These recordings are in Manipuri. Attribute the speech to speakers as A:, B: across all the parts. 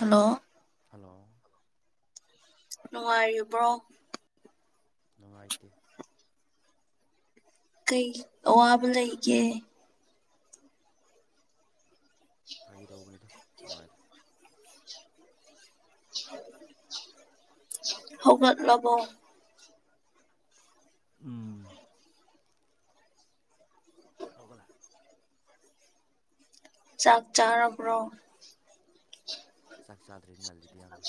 A: ꯍꯜꯂꯣ
B: ꯍꯜꯂꯣ
A: ꯅꯨꯡꯉꯥꯏꯔꯤꯕ꯭ꯔꯣ
B: ꯅꯨꯡꯉꯥꯏꯇꯦ
A: ꯀꯩ ꯑꯋꯥꯕ ꯂꯩꯒꯦ
B: ꯐꯥꯒꯤ ꯇꯧꯕꯅꯤꯗ ꯅꯨꯡꯉꯥꯏꯗ
A: ꯍꯧꯒꯠꯂꯕꯣ
B: ꯎꯝ ꯍꯧꯒꯠꯂꯥ
A: ꯆꯥꯛ ꯆꯥꯔꯕ꯭ꯔꯣ
B: ꯆꯥꯛ ꯆꯥꯗ꯭ꯔꯤ ꯉꯜꯂꯤꯗ ꯌꯥꯝꯅ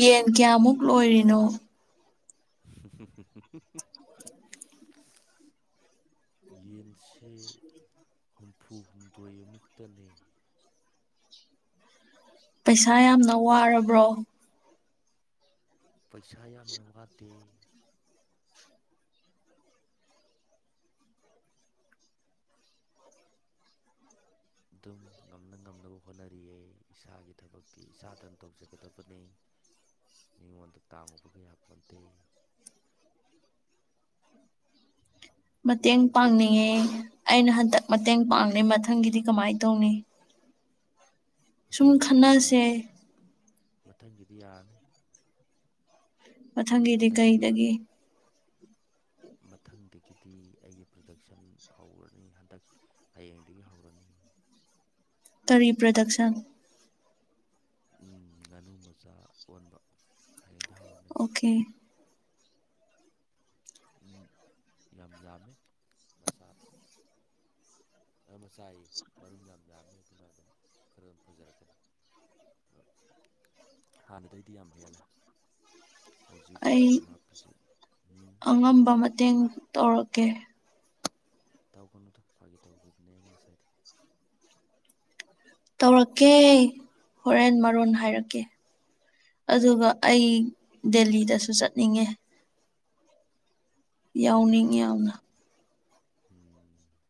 A: ꯌꯦꯟ ꯀꯌꯥꯃꯨꯛ ꯂꯣꯏꯔꯤꯅꯣ
B: [inaudible]
A: [inaudible]
B: ꯌꯦꯟꯁꯦ ꯍꯨꯝꯐꯨ ꯍꯨꯝꯗꯣꯏ ꯑꯃꯨꯛꯇꯅꯦ
A: ꯄꯩꯁꯥ ꯌꯥꯝꯅ ꯋꯥꯔꯕ꯭ꯔꯣ
B: ꯄꯩꯁꯥ ꯌꯥꯝꯅ ꯋꯥꯠꯇꯦ ꯑꯗꯨꯝ ꯉꯝꯅ ꯉꯝꯅꯕ ꯍꯣꯠꯅꯔꯤꯑꯦ ꯏꯁꯥꯒꯤ ꯊꯕꯛꯇꯤ ꯏꯁꯥꯇꯅ ꯇꯧꯖꯒꯗꯕꯅꯦ
A: [inaudible]
B: ꯃꯤꯉꯣꯟꯗ ꯇꯥꯡꯉꯨꯕ ꯀꯌꯥ ꯄꯣꯟꯇꯦ
A: ꯃꯇꯦꯡ
B: ꯍꯧꯖꯤꯛ ꯃꯇꯝꯁꯤꯗꯤ
A: ꯄꯥꯡꯅꯤꯡꯉꯦ ꯑꯩꯅ ꯍꯟꯗꯛ ꯃꯇꯦꯡ ꯄꯥꯡꯂꯤ ꯃꯊꯪꯒꯤꯗꯤ ꯀꯃꯥꯏ ꯇꯧꯅꯤ꯫ ꯁꯨꯝ
B: ꯃꯊꯪꯒꯤꯗꯤ ꯌꯥꯔꯅꯤ
A: ꯈꯟꯅꯁꯦ
B: ꯃꯊꯪꯒꯤꯗꯤ ꯌꯥꯔꯅꯤ꯫
A: ꯃꯊꯪꯒꯤꯗꯤ
B: ꯍꯟꯗꯛꯀꯤ
A: ꯀꯩꯗꯒꯤ꯫
B: ꯋꯥꯅꯤ ꯃꯊꯪꯗꯒꯤꯗꯤ ꯑꯩꯒꯤ ꯄ꯭ꯔꯗꯛꯁꯟ ꯍꯧꯔꯅꯤ ꯍꯟꯗꯛ꯫ ꯍꯌꯦꯡꯗꯒꯤ ꯍꯧꯔꯅꯤ꯫
A: ꯀꯔꯤ ꯄ꯭ꯔꯗꯛꯁꯟ꯫
B: ꯎꯝ ꯉꯥꯅꯨ ꯃꯆꯥ ꯑꯣꯟꯕ ꯍꯌꯦꯡꯗꯤ ꯍꯧꯔꯅꯦ꯫
A: ꯑꯣꯀꯦ꯫
B: ꯎꯝ ꯌꯥꯝ ꯌꯥꯝꯃꯦ ꯃꯁꯥꯗ꯫ ꯃꯁꯥꯏ ꯃꯔꯨꯝ ꯌꯥꯝ ꯌꯥꯝꯃꯦ ꯑꯗꯨꯅ ꯑꯗꯨꯝ ꯈꯔ ꯑꯗꯨꯝ ꯐꯖꯔꯛꯀꯅꯤ ꯑ ꯍꯥꯟꯅꯗꯩꯗꯤ ꯌꯥꯝ ꯍꯦꯜꯂꯦ ꯍꯧꯖꯤꯛ
A: ꯑꯩ
B: ꯍꯧꯖꯤꯛ ꯍꯥꯞꯄꯁꯦ ꯍꯨꯝ ꯇꯥꯏ
A: ꯇꯦꯡ ꯇꯧꯔꯛꯀꯦ
B: ꯇꯧꯒꯅꯨꯗꯣ ꯐꯥꯒꯤ ꯇꯧꯒꯤꯕꯅꯦ ꯑꯩꯅ ꯉꯁꯥꯏꯗꯤ
A: ꯇꯧꯔꯛꯀꯦ ꯍꯣꯔꯦꯟ ꯃꯔꯣꯟ ꯍꯥꯏꯔꯛꯀꯦ ꯑꯗꯨꯒ ꯑꯩ ꯗꯦꯜꯂꯤꯗꯁꯨ ꯆꯠꯅꯤꯡꯉꯦ ꯌꯥꯎꯅꯤꯡꯉꯤ
B: ꯗꯦꯜꯂꯤꯗ
A: ꯌꯥꯝꯅ
B: ꯎꯝ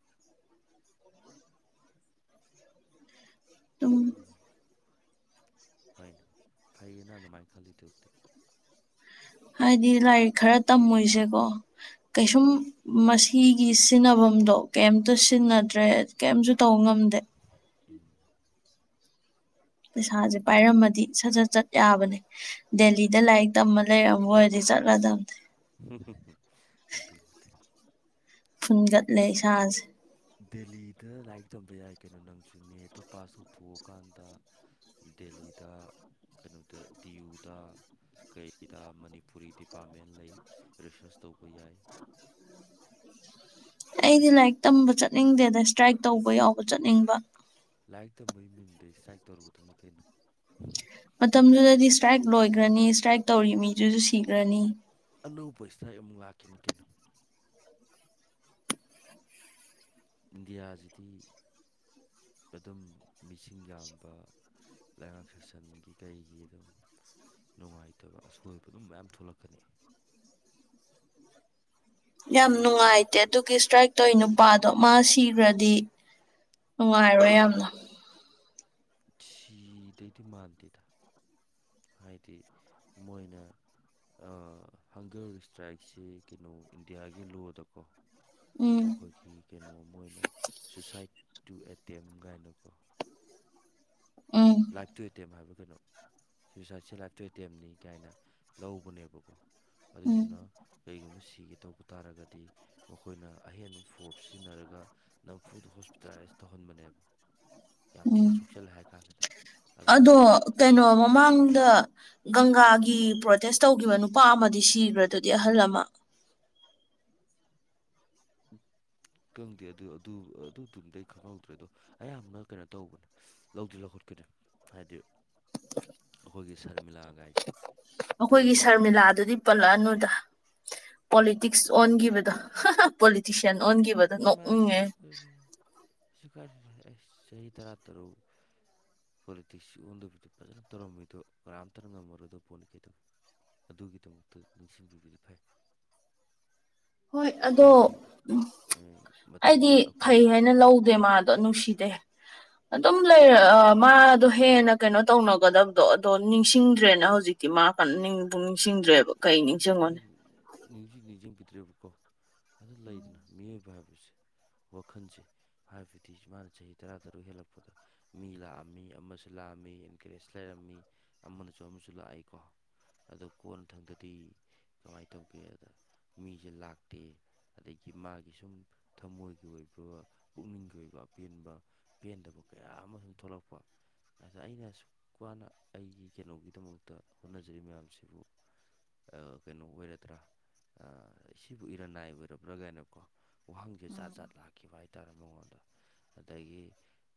A: ꯑꯗꯨꯝ
B: ꯍꯣꯏꯅꯦ ꯍꯣꯏꯅꯦ ꯐꯩꯌꯦ ꯅꯪ ꯑꯗꯨꯃꯥꯏ ꯈꯜꯂꯤꯗꯨꯕꯨꯗꯤ
A: ꯍꯥꯏꯗꯤ ꯂꯥꯏꯔꯤꯛ ꯈꯔ ꯇꯝꯃꯣꯏꯁꯦꯀꯣ ꯀꯩꯁꯨꯝ
B: ꯎꯝ
A: ꯃꯁꯤꯒꯤ ꯁꯤꯖꯤꯟꯅꯐꯝꯗꯣ ꯀꯩꯝꯇ
B: ꯎꯝ
A: ꯁꯤꯖꯤꯟꯅꯗ꯭ꯔꯦ ꯀꯔꯤꯝꯁꯨ ꯇꯧ ꯉꯝꯗꯦ
B: ꯎꯝ
A: ꯄꯩꯁꯥꯖꯦ ꯄꯥꯏꯔꯝꯃꯗꯤ ꯁ ꯖꯠ ꯆꯠ ꯌꯥꯕꯅꯦ ꯗꯦꯂꯤꯗ ꯂꯥꯏꯔꯤꯛ ꯇꯝꯃ ꯂꯩꯔꯝꯃꯣꯏꯔꯗꯤ ꯆꯠꯂꯗꯝꯕ
B: ꯑꯗꯨꯗꯤ.
A: ꯐꯨꯟꯒꯠꯂꯦ ꯏꯁꯥꯁꯦ꯫
B: ꯗꯦꯜꯂꯤꯗ ꯂꯥꯏꯔꯤꯛ ꯇꯝꯕ ꯌꯥꯏ ꯀꯩꯅꯣ ꯅꯪꯁꯨ ꯅꯦꯠꯇꯣ ꯄꯥꯁ ꯇꯧꯊꯣꯛꯑꯀꯥꯟꯗ꯫ ꯗꯦꯜꯂꯤꯗ ꯀꯩꯅꯣꯗ ꯗꯤꯌꯎꯗ꯫ ꯀꯩꯗ ꯃꯅꯤꯄꯨꯔꯤ ꯗꯤꯄꯥꯔꯠꯃꯦꯟ ꯂꯩ ꯔꯤꯁꯔꯁ ꯇꯧꯕ ꯌꯥꯏ꯫
A: ꯑꯩꯗꯤ ꯂꯥꯏꯔꯤꯛ ꯇꯝꯕ ꯆꯠꯅꯤꯡꯗꯦꯗ ꯏꯁꯇ꯭ꯔꯥꯏꯛ ꯇꯧꯕ ꯌꯥꯎꯕ ꯆꯠꯅꯤꯡꯕ꯫
B: ꯂꯥꯏꯔꯤꯛ ꯇꯝꯕꯒꯤ ꯃꯃꯤꯡꯗ ꯏꯁꯇ꯭ꯔꯥꯏꯛ ꯇꯧꯔꯨꯒꯗꯕꯅꯤ ꯀꯩꯅꯣ꯫
A: ꯃꯇꯝꯗꯨꯗꯗꯤ ꯏꯁꯇ꯭ꯔꯥꯏꯛ ꯂꯣꯏꯈ꯭ꯔꯅꯤ ꯏꯁꯇ꯭ꯔꯥꯏꯛ ꯇꯧꯔꯤ ꯃꯤꯗꯨꯁꯨ ꯁꯤꯈ꯭ꯔꯅꯤ꯫
B: ꯑꯅꯧꯕ ꯏꯁꯇ ꯑꯩ ꯑꯃꯨꯛ ꯂꯥꯛꯈꯤꯅꯤ ꯀꯩꯅꯣ꯫ ꯏꯟꯗꯤꯌꯥꯁꯤꯗꯤ ꯑꯗꯨꯝ ꯃꯤꯁꯤꯡ ꯌꯥꯝꯕ꯫ ꯂꯩꯉꯥꯛ ꯁꯥꯁꯟꯒꯤ ꯀꯩꯒꯤ ꯑꯗꯨꯝ ꯅꯨꯡꯉꯥꯏꯇꯕ ꯑꯁꯣꯏꯕ ꯑꯗꯨꯝ ꯃꯌꯥꯝ ꯊꯣꯛꯂꯛꯀꯅꯤ ꯑꯗ
A: ꯌꯥꯝꯅꯅꯨꯡꯉ
B: ꯀꯥꯏ
A: ꯑꯥꯏꯦ ꯑꯗꯨꯒꯤ ꯏꯁꯇ꯭ꯔꯥꯏꯛ ꯇꯧꯏ ꯅꯨꯄꯥꯗꯣ ꯃꯥ ꯁꯤꯈ꯭ꯔꯗꯤ ꯅꯨꯡꯉꯥꯏꯔꯣꯏ ꯌꯥꯝꯅ
B: ꯁꯤꯗꯩꯗꯤ ꯃꯥꯟꯗꯦꯗ ꯍꯥꯏꯗꯤ ꯃꯣꯏꯅ ꯍꯪꯒꯔ ꯏꯁꯇ꯭ꯔꯥꯏꯛꯁꯤ ꯀꯩꯅꯣ ꯏꯟꯗꯤꯌꯥꯒꯤ ꯂꯣꯗꯀꯣ
A: ꯎꯝ
B: ꯑꯩꯈꯣꯏꯒꯤ ꯀꯩꯅꯣ ꯑꯃ ꯑꯣꯏꯅ ꯁꯨꯏꯁꯥꯏꯠ ꯇꯨ ꯑꯦꯇꯦꯝ ꯀꯥꯏꯅꯀꯣ
A: ꯎꯝ
B: ꯂꯥꯏꯇꯨ ꯑꯦꯇꯦꯝ ꯍꯥꯏꯕ ꯀꯩꯅꯣ ꯁꯨꯋꯏꯁꯥꯏꯠꯁꯦ ꯂꯥꯏ ꯇꯨ ꯑꯦꯇꯦꯝꯅꯤ ꯀꯥꯏꯅ ꯂꯧꯕꯅꯦꯕꯀꯣ
A: ꯎꯝ
B: ꯑꯗꯨꯏꯗꯨꯅ ꯀꯔꯤꯒꯨꯝꯕ ꯁꯤꯒꯦ ꯇꯧꯕ ꯇꯥꯔꯒꯗꯤ ꯃꯈꯣꯏꯅ ꯑꯍꯦꯟꯕ ꯐꯣꯔꯁ ꯁꯤꯖꯤꯟꯅꯔꯒ ꯅꯝꯐꯨꯗ ꯍꯣꯁꯄꯤꯇꯥꯂꯥꯏꯁ ꯇꯧꯍꯟꯕꯅꯦꯕ꯫
A: ꯎ [inaudible] [unintelligible]
B: ꯌꯥꯝ ꯊꯤꯅ ꯁꯣꯛꯆꯜꯂꯦ ꯍꯥꯏ ꯀꯥꯟꯗꯨꯗ꯫
A: ꯑꯗꯣ
B: ꯑꯗꯨꯗꯅꯦ
A: ꯀꯩꯅꯣ
B: ꯎꯝ
A: ꯃꯃꯥꯡ꯫ ꯗ ꯒꯪꯒꯥꯒꯤ ꯄ꯭ꯔꯣꯇꯦꯁ ꯇꯧꯈꯤꯕ ꯅꯨꯄꯥ ꯑꯃꯗꯤ ꯁꯤꯈ꯭ꯔꯗꯨꯗꯤ ꯑꯍꯜ ꯑꯃ
B: ꯈꯪꯗꯦ ꯑꯗꯨ ꯑꯗꯨ ꯑꯗꯨꯗꯨꯝꯗꯤꯩ ꯈꯪꯍꯧꯗ꯭ꯔꯦ ꯑꯗꯣ꯫ ꯑꯌꯥꯝꯕꯅ ꯀꯩꯅꯣ ꯇꯧꯕꯅꯦ ꯂꯧꯗꯤ ꯂꯧꯈꯠꯀꯗ ꯍꯥꯏꯗꯤ꯫ ꯑꯈꯣꯏꯒꯤ ꯁꯔꯃꯤꯂꯥꯒꯥꯏꯁ‌ꯦ꯫
A: ꯑꯈꯣꯏꯒꯤ ꯁꯔꯃꯤꯂꯥꯗꯨꯗꯤ꯫ ꯄꯥꯜꯂꯥꯛꯅꯨꯗ ꯄꯣꯂꯤꯇꯤꯛꯁ ꯑꯣꯟꯒꯤꯕꯗꯣ꯫ ꯄꯣꯂꯤꯇꯤꯁꯤꯌꯥꯟ ꯑꯣꯟꯒꯤꯕꯗꯣ
B: ꯃꯥꯁꯨ
A: ꯅꯣꯛꯅꯤꯡꯉꯦ꯫
B: ꯑꯩꯁ ꯆꯍꯤ ꯇꯔꯥ ꯇꯔꯨꯨꯛ꯫ ꯄꯣꯂꯤꯇꯤꯛꯁ ꯑꫭꯟꯗꯕꯤꯗ ꯐꯖꯅ ꯇꯧꯔꯝꯃꯤꯗꯣ ꯀꯅꯥꯝꯇꯅ ꯉꯝꯃꯔꫭꯏꯗ ꯄꯣꯠꯅꯤ ꯀꯩꯗꯧꯑꯦ꯫ ꯑꯗꯨꯒꯤꯗꯃꯛꯇ ꯅꯤꯡꯁꯤꯡꯕꯤꯕꯗꯤ ꯐꯩ꯫
A: ꯍꯣꯏ ꯑꯗꯣ
B: ꯍꯥꯏꯗꯤ
A: ꯑꯩꯗꯤ
B: ꯃꯇꯝꯗꯨꯗ
A: ꯐꯩ
B: ꯑꯩꯈꯣꯏꯅ
A: ꯍꯥꯏꯅ ꯂꯧꯗꯦ ꯃꯥꯗꯣ ꯅꯨꯡꯁꯤ꯫ ꯗꯦ꯫ ꯑꯗꯨꯝ ꯂꯩꯔ ꯃꯥꯗꯣ ꯍꯦꯟꯅ ꯀꯩꯅꯣ ꯇꯧꯅꯒꯗꯕꯗꯣ ꯑꯗꯣ ꯅꯤꯡꯁꯤꯡꯗ꯭ꯔꯦꯅ ꯍꯧꯖꯤꯛ꯫ ꯗꯤ ꯃꯥ ꯀꯟꯅ ꯅꯤꯡꯕꯨ ꯅꯤꯡꯁꯤꯡꯗ꯭ꯔꯦꯕ ꯀꯩ ꯅꯤꯡꯁꯤꯡꯉꯣꯅꯤ
B: ꯅꯤꯡꯁꯤꯡ ꯅꯤꯡꯁꯤꯡꯕꯤꯗ꯭ꯔꯦꯕꯀꯣ ꯑꯗꯨꯗ ꯂꯩꯗꯅ ꯃꯤꯑꯣꯏꯕ ꯍꯥꯏꯕꯁꯦ ꯋꯥꯈꯜꯁꯦ ꯍꯥꯏꯕꯗꯤ ꯃꯥꯅ ꯆꯍꯤ ꯇꯔꯥ ꯇꯔꯨꯛ ꯍꯦꯜꯂꯛꯄꯗ ꯃꯤ ꯂꯥꯛꯑꯝꯃꯤ ꯑꯃꯁꯨ ꯂꯥꯛꯑꯝꯃꯤ ꯑꯦꯟꯀꯔꯦꯖ ꯂꯩꯔꯝꯃꯤ ꯑꯃꯁꯅꯁꯨ ꯑꯃꯁꯨ ꯂꯥꯛꯏꯀꯣ꯫ ꯑꯗꯣ ꯀꯣꯟꯅꯊꯪꯗꯗꯤ ꯀꯃꯥꯏꯅ ꯇꯧꯒꯦ ꯑꯗ ꯃꯤꯁꯦ ꯂꯥꯛꯇꯦ꯫ ꯑꯗꯒꯤ ꯃꯥꯒꯤ ꯁꯨꯝ ꯊꯃꯣꯏꯒꯤ ꯑꯣꯏꯕ ꯄꯨꯛꯅꯤꯡꯒꯤ ꯑꯣꯏꯕ ꯑꯄꯦꯟꯕ ꯄꯦꯟꯗꯕ ꯀꯌꯥ ꯑꯃꯁ ꯁꯨꯝ ꯊꯣꯛꯂꯛꯄ꯫ ꯑꯗ ꯑꯩꯅ ꯑꯁꯨꯛ ꯋꯥꯅ ꯑꯩꯒꯤ ꯀꯩꯅꯣꯒꯤꯗꯃꯛꯇ ꯍꯣꯠꯅꯖꯔꯤꯕ ꯃꯌꯥꯝꯁꯤꯕꯨ ꯀꯩꯅꯣ ꯑꯣꯏꯔꯗ꯭ꯔꯥ ꯁꯤꯕꯨ ꯏꯔꯅꯥꯏ ꯑꯣꯏꯔꯕ꯭ꯔꯥꯒꯥꯏꯅꯕꯀꯣ ꯋꯥꯍꯪꯁꯦ ꯆꯥꯠ ꯆꯥꯠ ꯂꯥꯛꯈꯤꯕ ꯍꯥꯏꯇꯥꯔꯦ ꯃꯉꯣꯟꯗ ꯑꯗꯒꯤ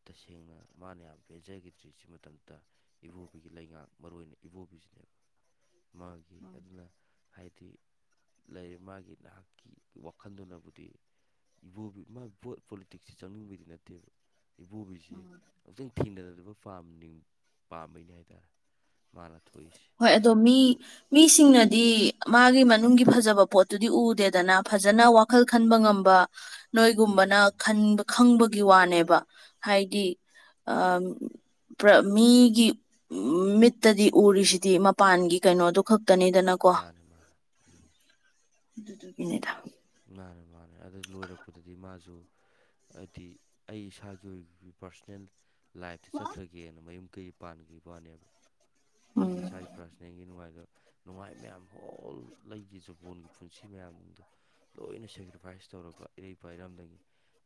B: ꯇꯁꯦꯡꯅ ꯃꯥꯅ ꯌꯥꯝ ꯄꯦꯟꯖꯈꯤꯗ꯭ꯔꯤ ꯁꯤ ꯃꯇꯝꯗ꯫ ꯏꯕꯣꯕꯤꯒꯤ ꯂꯩꯉꯥꯛ ꯃꯔꯨ ꯑꯣꯏꯅ ꯏꯕꯣꯕꯤꯁꯤꯅꯦꯕ꯫ ꯃꯥꯒꯤ ꯑꯗꯨꯅ ꯍꯥꯏꯗꯤ꯫ ꯂꯩꯔꯤ ꯃꯥꯒꯤ ꯅꯍꯥꯛꯀꯤ ꯋꯥꯈꯜꯗꯨꯅꯕꯨꯗꯤ꯫ ꯏꯕꫭꯕꯤ ꯃꯥ ꯕꯣꯠ ꯄꯣꯂꯤꯇꯤꯁꯁꯦ ꯆꯪꯅꯤꯡꯕꯩꯗꯤ ꯅꯠꯇꯦꯕ꯫ ꯏꯕꯣꯕꯤꯁꯤ ꯑꯃꯨꯛꯇꯪ ꯊꯦꯡꯅꯅꯤꯡꯕ ꯄꯥ ꯄꯥꯝꯕꯩꯅꯤ ꯍꯥꯏꯇꯥꯔꯦ꯫ ꯃꯥꯅ ꯊꯣꯛꯏꯁꯤ꯫
A: ꯍꯣꯏ ꯑꯗꯣ ꯃꯤ ꯃꯤꯁꯤꯡꯅꯗꯤ꯫ ꯃꯥꯒꯤ ꯃꯅꯨꯡꯒꯤ ꯐꯖꯕ ꯄꯣꯠꯇꯨꯗꯤ ꯎꯗꯦꯗꯅ ꯐꯖꯅ ꯋꯥꯈꯜ ꯈꯟꯕ ꯉꯝꯕ꯫ ꯅꯣꯏꯒꯨꯝꯕꯅ
B: ꯎꯝ
A: ꯈꯟꯕ ꯈꯪꯕꯒꯤ ꯋꯥꯅꯦꯕ ꯍꯥꯏꯗꯤ ꯑꯥ꯫ ꯄ꯭ꯔꯥ ꯃꯤꯒꯤ ꯃꯠꯇꯗꯤ ꯎꯔꯤꯁꯤ꯫ ꯗꯤ ꯃꯄꯥꯟꯒꯤ ꯀꯩꯅꯣꯗꯨ ꯈꯛꯇꯅꯤꯗꯅ꯫
B: ꯃꯥꯅꯦ ꯃꯥꯅꯦ ꯫
A: ꯃꯤꯅ‌ꯦꯗ꯫
B: ꯃꯥꯅꯦ ꯃꯥꯅꯦ ꯑꯗꯨ ꯂꯣꯏꯔꯛꯄꯗꯗꯤ ꯃꯥꯁꯨ꯫ ꯍꯥꯏꯗꯤ ꯑꯩ ꯏꯁꯥꯒꯤ ꯑꯣꯏꯕ ꯄꯥꯔꯁꯣꯅꯦꯜ꯫ ꯂꯥꯏꯐꯇ ꯆꯠꯈ꯭ꯔꯒꯦꯅ ꯃꯌꯨꯝ ꯀꯩ ꯄꯥꯟꯒꯤꯕꯩ ꯋꯥꯅ‌ꯦꯕ꯫
A: ꯎꯝ
B: ꯑꯩꯒꯤ ꯏꯁꯥꯒꯤ ꯄ꯭ꯔꯥꯁꫭꯅꯦꯜꯒꯤ ꯅꯨꯡꯉꯥꯏꯕ꯫ ꯅꯨꯡꯉꯥꯏ ꯃꯌꯥꯝ ꯍꯣꯜ ꯂꯩꯒꯤ ꯖꯄꯣꯟꯒꯤ ꯄꯨꯟꯁꯤ ꯃꯌꯥꯝꯗ꯫ ꯂꯣꯏꯅ ꯁꯦꯀ꯭ꯔꯤꯐꯥꯏꯁ ꯇꯧꯔꯒ ꯏꯔꯩꯄꯥꯛ ꯏꯔꯝꯗꯝꯒꯤ꯫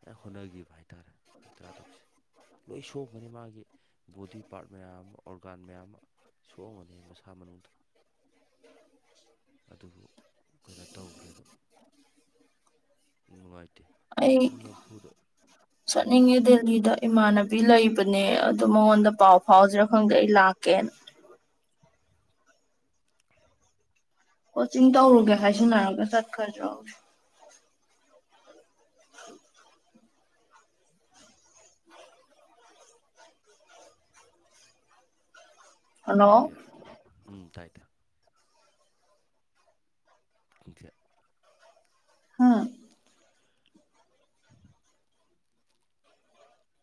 B: ꯅ ꯍꯣꯠꯅꯒꯤꯕ ꯍꯥꯏꯇꯥꯔꯦ ꯃꯤ ꯇꯔꯥ ꯇꯔꯨꯛꯁꯤ꯫ ꯂꯣꯏ ꯁꯣꯛꯑꯝꯒꯅꯤ ꯃꯥꯒꯤ ꯕꯣꯗꯤ ꯄꯥꯔꯠ ꯃꯌꯥꯝ ꯑꫭꯔꯒꯥꯟ ꯃꯌꯥꯝ ꯑꯃ꯫ ꯁꯣꯛꯑꯝꯒꯅꯤ ꯃꯁꯥ ꯃꯅꯨꯡꯗꯨ꯫ ꯑꯗꯨꯕꯨ ꯀꯩꯅꫭ ꯇꯧꯈ꯭ꯔꯦ ꯑꯗꯨꯝ꯫ ꯅꯨꯡꯉꯥꯏꯇꯦ꯫
A: ꯑꯩ
B: ꯑꯗꯨꯝ ꯅꯝꯐꯨꯗ ꯀꯔꯤ ꯍꯥꯏꯌꯣ
A: ꯆꯠꯅꯤꯡꯗꯤꯜ꯫ ꯅꯤꯗ ꯏꯃꯥꯟꯅꯕꯤ ꯂꯩꯕꯅꯦ ꯑꯗꫭ ꯃꯉꯣꯟꯗ ꯄꯥꯎ ꯐꯥꯎꯁꯤꯔ ꯈꯪꯗꯦ ꯑꯩ ꯂꯥꯛꯀꯦꯅ꯫
B: [unintelligible]
A: ꯀꯣꯆꯤꯡ ꯇꯧꯔꯨꯒꯦ ꯍꯥꯏꯖꯤꯟꯅꯔꯒ ꯆꯠꯈ꯭ꯔꯥ ꯁꯤꯔ ꯈꯪꯗ‌ꯦ꯫ [inaudible] ꯍꯜꯂꯣ
B: ꯈꯪꯗꯦ ꯎꯝ ꯇꯥꯏ ꯇꯥꯏ [unintelligible]
A: ꯍꯥꯥ [inaudible]
B: [inaudible]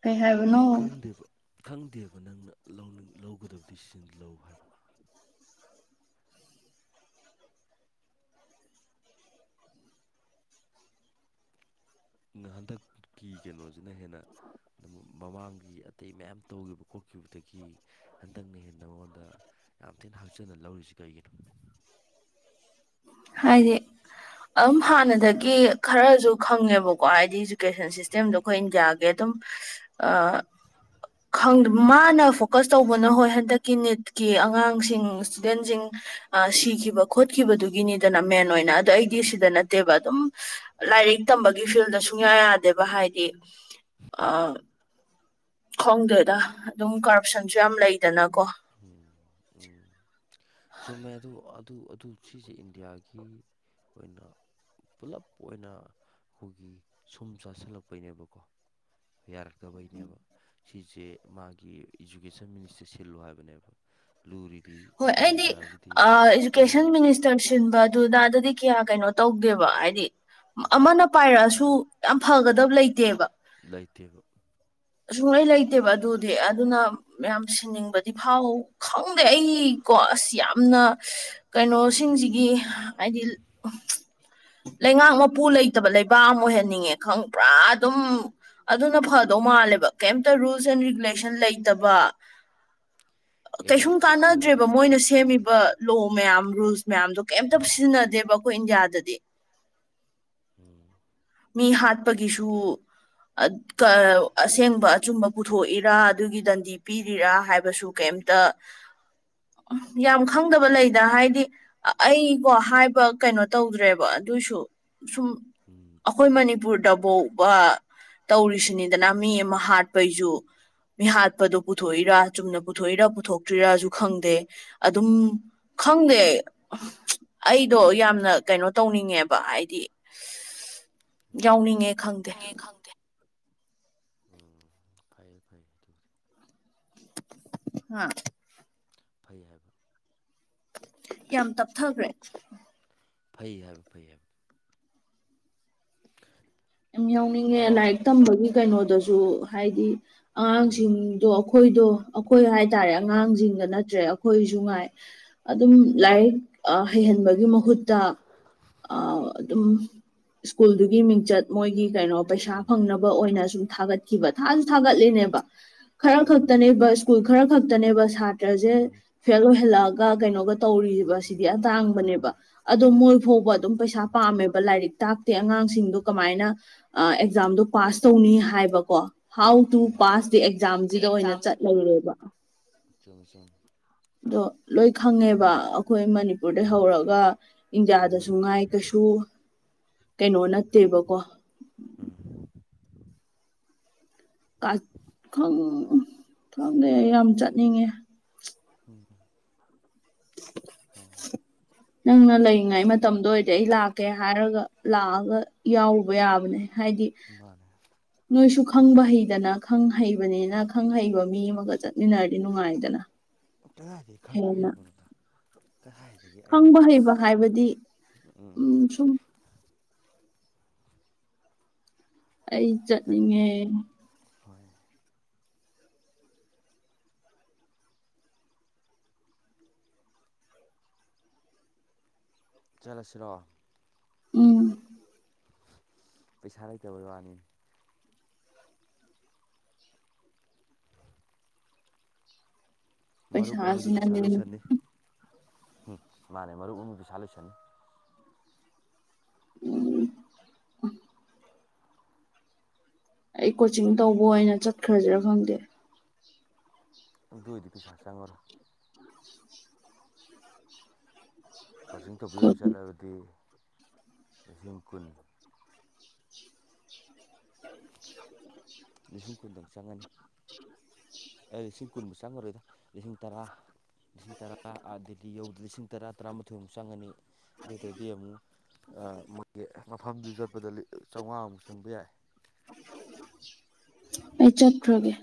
A: ꯀꯩ ꯍꯥꯏꯕꯅꯣ
B: ꯈꯪꯗꯦꯕ ꯈꯪꯗꯦꯕ ꯅꯪꯅ ꯂꯧ ꯂꯧꯒꯗꯕ ꯗꯤꯁꯤꯖꯟ ꯂꯧ ꯍꯥꯏꯕ ꯍꯟꯗꯛꯀꯤ ꯀꯩꯅꯣꯖꯤꯅ ꯍꯦꯟꯅ ꯃꯃꯥꯡꯒꯤ ꯑꯇꯩ ꯃꯌꯥꯝ ꯇꯧꯈꯤꯕ ꯈꯣꯠꯈꯤꯕꯗꯒꯤ ꯍꯟꯗꯛꯅ ꯍꯦꯟꯅ ꯃꯉꯣꯟꯗ ꯌꯥꯝ ꯊꯤꯅ ꯍꯛꯆꯟꯅ ꯂꯧꯔꯤꯁꯤ ꯀꯩꯒꯤꯅꯣ
A: ꯍꯥꯏꯗꯤ ꯑꯗꯨꯝ ꯍꯥꯟꯅꯗꯒꯤ ꯈꯔꯁꯨ ꯈꯪꯉꯦꯕꯀꯣ ꯍꯥꯏꯗꯤ ꯏꯗꯨꯀꯦꯁꯟ ꯁꯤꯁꯇꯦꯝꯗꯣ ꯑꯩꯈꯣꯏ ꯏꯟꯗꯤꯌꯥꯒꯤ ꯑꯗꯨꯝ ꯃꯥꯅ ꯐꯣꯀꯁ ꯇꯧꯕꯅ ꯍꯣꯏ ꯍꯟꯗꯛꯀꯤ ꯅꯤꯠꯀꯤ ꯑꯉꯥꯡꯁꯤꯡ ꯏꯁꯇꯨꯗꯦꯟꯁꯤꯡ꯫ ꯑꯥ ꯁꯤꯈꯤꯕ ꯈꯣꯠꯈꯤꯕꯗꯨꯒꯤꯅꯤꯗꯅ ꯃꯦꯟ ꯑꯣꯏꯅ ꯑꯗꯣ ꯑꯩꯗꯤ ꯁꯤꯗ ꯅꯠꯇꯦꯕ ꯑꯗꯨꯝ꯫ ꯂꯥꯏꯔꯤꯛ ꯇꯝꯕꯒꯤ ꯐꯤꯜꯗ ꯁꯨꯡꯌꯥ ꯌꯥꯗꯦꯕ ꯍꯥꯏꯗꯤ ꯑꯥ꯫ ꯈꯣꯡꯗꯦꯗ ꯑꯗꯨꯝ ꯀꯔꯞꯁꯟꯁꯨ ꯌꯥꯝ ꯂꯩꯗꯅꯀꯣ꯫
B: ꯎꯝ ꯎꯝ꯫ ꯆꯨꯝꯃꯦ ꯑꯗꯨ ꯑꯗꯨ ꯑꯗꯨ ꯁꯤꯁꯦ ꯏꯟꯗꯤꯌꯥꯒꯤ ꯑꯣꯏꯅ꯫ ꯄꯨꯂꯞ ꯑꯣꯏꯅ ꯑꯈꯣꯏꯒꯤ ꯁꯨꯝ ꯆꯥꯁꯤꯜꯂꯛꯄꯩꯅꯦꯕꯀꯣ꯫ ꯌꯥꯔꯛꯇꯕꯩꯅꯦꯕ꯫ ꯁꯤꯁꯦ ꯃꯥꯒꯤ ꯏꯖꯨꯀꯦꯁꯟ ꯃꯤꯅꯤꯁꯇꯔ ꯁꯤꯜꯂꯨ ꯍꯥꯏꯕꯅꯦꯕ ꯂꯨꯔꯤ꯫
A: ꯍꯣꯏ ꯑꯩꯗꯤ ꯏꯗꯨꯀꯦꯁꯟ ꯃꯤꯅꯤꯁ꯫ ꯁꯤꯟꯕ ꯑꯗꯨꯗ ꯗꯨꯗꯤ ꯀꯌꯥ ꯀꯩꯅꫭ ꯇꯧꯗ‌ꯦꯕ ꯍꯥꯏꯗꯤ
B: ꯎꯝ,
A: ꯑꯃꯥꯅ꯫ ꯄꯥꯏꯔꯛꯑꯁꯨ ꯌꯥꯝ ꯐꯒꯗꯕ ꯂꯩꯇꯦꯕ꯫
B: ꯂꯩꯇꯦꯕ
A: ꯁꯨꯡꯂꯩ ꯂꯩꯇꯦꯕ ꯑꯗꯨꯗꯤ ꯑꯗꯨꯅ ꯌꯥꯝ ꯁꯤꯟꯅꯤꯡꯕꯗꯤ ꯐꯥꯎ ꯈꯪꯗꯦ ꯑꯩ꯫ ꯀꯣ ꯑꯁ ꯌꯥꯝꯅ ꯀꯩꯅꯣꯁꯤꯡꯁꯤꯒꯤ ꯍꯥꯏꯗꯤ ꯂꯩꯉꯥꯛ ꯃꯄꯨ ꯂꯩꯇꯕ ꯂꯩꯕꯥꯛ ꯑꯃ ꯑꯣꯏꯍꯟꯅꯤꯡꯉꯦ ꯈꯪ ꯄꯨꯔꯥ ꯑꯗꯨꯝ ꯑꯗꯨꯅ ꯐꯥ ꯇꯧ ꯃꯥꯜꯂꯦꯕ ꯀꯦꯝꯇ ꯔꯨꯜꯁ ꯑꯦꯟ ꯔꯤꯒꯨꯂꯦꯁꯟ ꯂꯩꯇꯕ ꯀꯩꯁꯨꯨꯝ
B: ꯑꯦꯅꯥꯔꯀꯤꯁ
A: ꯀꯥꯟꯅ
B: ꯀꯧꯋꯦ ꯑꯗꯨꯗꯣ
A: ꯁꯦꯝꯃꯤꯕ ꯂꯣ ꯃꯌꯥꯝ ꯔꯨꯜꯁ ꯃꯌꯥꯝꯗꯣ ꯀꯦꯝꯇ ꯁꯤꯖꯤꯟꯅꯗꯦꯕ ꯑꯩꯈꯣꯏ ꯏꯟꯗꯤꯌꯥꯗꯗꯤ
B: ꯎꯝ
A: ꯃꯤ ꯍꯥꯠꯄꯒꯤꯁꯨ ꯑꯁꯦꯡꯕ ꯑꯆꯨꯝꯕ ꯄꯨꯊꯣꯛꯏꯔꯥ ꯑꯗꯨꯒꯤ ꯗꯟꯗꯤ ꯄꯤꯔꯤꯔꯥ ꯍꯥꯏꯕꯁꯨ ꯀꯩꯝꯇ ꯌꯥꯝ ꯈꯪꯗꯕ ꯂꯩꯗ ꯍꯥꯏꯗꯤ ꯑꯩꯀꯣ ꯍꯥꯏꯕ ꯀꯩꯅꯣ ꯇꯧꯗ꯭ꯔꯦꯕ ꯑꯗꯨꯁꯨ ꯁꯨꯝ
B: ꯎꯝ
A: ꯑꯩꯈꯣꯏ
B: ꯎꯝ
A: ꯃꯅꯤ ꯕꯨꯗꯕꯣꯛꯕ ꯇꯧꯔꯤꯁꯤꯅꯤꯗꯅ ꯃꯤ ꯑꯃ ꯍꯥꯠꯄꯩꯁꯨ ꯃꯤ ꯍꯥꯥꯠꯄꯗꯨꯣ ꯄꯨꯊꯣꯛꯏꯔꯥ ꯆꯨꯝꯅ ꯄꯨꯊꯣꯛꯏꯔꯥ ꯄꯨꯊꯣꯛꯇ꯭ꯔꯤꯔꯥꯁꯨ ꯈꯪꯗ ꯑꯗꯨꯝ ꯈꯪꯗꯦ ꯑꯩꯗꯣ ꯌꯥꯝꯅ ꯀꯩꯅꯣ ꯇꯧꯅꯤꯡꯉꯦꯕ ꯍꯥꯏꯗꯤ ꯌꯥꯎꯅꯤꯡꯉꯦ ꯈꯪꯗꯦ
B: ꯎꯝ ꯈꯗꯦ ꯎꯝ ꯐꯩꯌꯦ ꯐꯩꯌꯦ ꯑꯗꯨ
A: ꯍꯥꯥ
B: ꯐꯩ ꯍꯥꯏꯕ
A: ꯌꯥꯝ ꯇꯞꯊꯈ꯭ꯔꯦ
B: ꯐꯩ ꯍꯥꯏꯕ ꯐꯩ ꯍꯥꯏꯕ [inaudible]
A: ꯌꯥꯝ ꯌꯥꯎꯅꯤꯡꯉꯦ
B: ꯍꯜꯂꯣ
A: ꯂꯥꯏꯔꯤꯛ ꯇꯝꯕꯒꯤ ꯀꯩꯅꯣꯗꯁꯨ ꯍꯥꯏꯗꯤ
B: ꯎꯝ
A: ꯑꯉꯥꯡꯁꯤꯡꯗꯣ ꯑꯩꯈꯣꯏꯗꯣ ꯑꯩꯈꯣꯏ ꯍꯥꯏꯇꯥꯔꯦ ꯑꯉꯥꯡꯁꯤꯡꯗ ꯅꯠꯇ꯭ꯔꯦ ꯑꯩꯈꯣꯏꯁꯨ ꯉꯥꯏ ꯑꯗꯨꯝ ꯂꯥꯏꯔꯤꯛ ꯍꯩꯍꯟꯕꯒꯤ ꯃꯍꯨꯠꯇ ꯑꯗꯨꯝ ꯁ꯭ꯀꯨꯜꯗꯨꯒꯤ ꯃꯤꯡꯆꯠ ꯃꯣꯏꯒꯤ ꯀꯩꯅꯣ ꯄꯩꯁꯥ
B: ꯎꯝ
A: ꯐꯪꯅꯕ ꯑꯣꯏꯅꯁꯨ ꯊꯥꯒꯠ ꯈꯤꯕ ꯊꯖꯨ ꯊꯥꯒꯠꯂꯤꯅꯦꯕ ꯈꯔ
B: ꯎꯝ
A: ꯈꯛꯇꯅꯦꯕ ꯁ꯭ꯀꯨꯜ ꯈꯔ ꯈꯛꯇꯅꯦꯕ ꯁꯥꯇ꯭ꯔꯖꯦ
B: ꯎꯝ
A: ꯐꯦꯜ ꯑꯣꯏꯍꯜꯂꯛꯑꯒ ꯀꯩꯅꯣꯒ ꯇꯧꯔꯤꯕ ꯁꯤꯗꯤ
B: ꯎꯝ ꯎꯝ
A: ꯇꯥꯡꯕꯅꯦꯕ ꯑꯗꯣ ꯃꯣꯏ ꯐꯥꯎꯕ ꯑꯗꯨꯝ ꯄꯩꯁꯥ ꯄꯥꯝꯃꯦꯕ ꯂꯥꯏꯔꯤꯛ ꯇꯥꯛꯇꯦ ꯑꯉꯥꯡꯁꯤꯡꯗꯣ ꯀꯃꯥꯏꯅ ꯑꯦꯛꯖꯥꯝꯗꯣ ꯄꯥꯁ ꯇꯧꯅꯤ ꯍꯥꯏꯕꯀꯣ ꯍꯥꯎ ꯇꯨ
B: ꯎꯝ
A: ꯄꯥꯁ ꯗꯤ ꯑꯦꯛꯖꯥꯝꯁꯤꯗ ꯑꯣꯏꯅ ꯆꯠꯂꯨꯔꯦꯕ
B: ꯆꯨꯃꯦ ꯆꯨꯃꯦ
A: ꯑꯗꯣ ꯂꯣꯏ ꯈꯪꯉꯦꯕ ꯑꯩꯈꯣꯏ ꯃꯅꯤꯄꯨꯔꯗꯩ ꯍꯧꯔꯒ ꯏꯟꯗꯤꯌꯥꯗꯁꯨ
B: ꯎꯝ
A: ꯉꯥꯏ ꯀꯩꯁꯨ ꯀꯩꯅꯣ ꯅꯠꯇꯦꯕꯀꯣ
B: ꯎꯝ
A: ꯈꯪꯗꯦ ꯑꯩ ꯌꯥꯝ ꯆꯠꯅꯤꯡꯉꯦ
B: ꯊꯗ
A: ꯅꯪꯅ ꯂꯩꯔꯤꯉꯩ ꯃꯇꯝꯗ ꯑꯣꯏꯔꯗꯤ ꯑꯩ ꯂꯥꯛꯀꯦ ꯍꯥꯏꯔꯒ ꯂꯥꯛꯑꯒ ꯌꯥꯎꯔꯨꯕ ꯌꯥꯕꯅꯦ ꯍꯥꯏꯗꯤ
B: ꯃꯅꯦ
A: [inaudible] ꯅꯣꯏꯁꯨ ꯈꯪꯕ ꯍꯩꯗꯅ ꯈꯪ ꯍꯩꯕꯅꯤꯅ ꯈꯪ ꯍꯩꯕ ꯃꯤ ꯑꯃꯒ ꯆꯠꯃꯤꯟꯅꯔꯗꯤ ꯅꯨꯡꯉꯥꯏꯗꯅ
B: ꯀꯔꯥꯏꯗꯩ ꯈꯪ
A: ꯍꯦꯟꯅ
B: ꯍꯩꯕꯅꯣꯗ ꯀꯗꯥꯏꯗꯒꯤ ꯑꯩꯕꯨ
A: ꯈꯪꯕ
B: ꯑꯁ
A: ꯍꯩꯕ ꯍꯥꯏꯕꯗꯤ
B: ꯎꯝ
A: ꯑꯩ
B: ꯀꯔꯤ
A: ꯆꯠꯅꯤꯡꯉꯦ
B: ꯍꯣꯏ ꯆꯠꯂꯁꯤꯔꯣ
A: ꯎꯝ
B: ꯄꯩꯁꯥ ꯂꯩꯇꯕꯩ ꯋꯥꯅꯤ ꯃꯔꯨꯞ ꯑꯃꯒꯤ ꯄꯩꯁꯥ
A: ꯄꯩꯁꯥꯁꯤꯅꯅꯦ
B: ꯂꯣꯏꯁꯟꯅꯤ ꯎꯝ ꯃꯥꯅꯦ ꯃꯔꯨꯞ ꯑꯃꯒꯤ ꯄꯩꯁꯥ ꯂꯣꯏꯁꯟꯅꯤ
A: ꯎꯝ ꯑꯩ ꯀꯣꯆꯤꯡ ꯇꯧꯕ ꯑꯣꯏꯅ ꯆꯠꯈ꯭ꯔꯁꯤꯔꯥ ꯈꯪꯗꯦ
B: ꯑꯗꯨꯗꯨꯏꯗꯤ ꯄꯩꯁꯥ ꯆꯪꯉꯔꯣ ꯐꯣꯁꯤꯡ ꯇꯧꯕꯤ ꯑꯣꯏꯅ
A: ꯀꯣꯆꯤꯡ
B: ꯆꯠꯂꯒꯗꯤ ꯂꯤꯁꯤꯡ ꯀꯨꯟ
A: ꯑ
B: ꯂꯤꯁꯤꯡ ꯀꯨꯟꯗꯪ ꯆꯪꯉꯅꯤ ꯂꯤꯁꯤꯡ ꯀꯨꯟꯃꯨꯛ ꯆꯪꯉꯔꯣꯏꯗ ꯂꯤꯁꯤꯡ ꯇꯔꯥ ꯂꯤꯁꯤꯡ ꯇꯔꯥꯗꯤ ꯌꯧꯗ ꯂꯤꯁꯤꯡ ꯇꯔꯥ ꯇꯔꯥꯃꯥꯊꯣꯏꯃꯨꯛ ꯆꯪꯉꯅꯤ ꯑꯗꯨꯗꯩꯗꯤ ꯑꯃꯨꯛ ꯃꯣꯏꯒꯤ ꯃꯐꯝꯗꯨ ꯆꯠꯄꯗ ꯆꯥꯝꯃꯉꯥꯃꯨꯛ ꯆꯪꯕ ꯌꯥꯏ
A: ꯑꯩ ꯆꯠꯈ꯭ꯔꯒꯦ